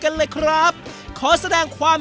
เร็วเร็ว